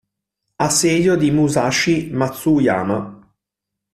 Assedio di Musashi-Matsuyama